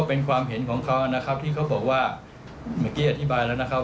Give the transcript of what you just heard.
เป็นความเห็นของเขานะครับที่เขาบอกว่าเมื่อกี้อธิบายแล้วนะครับ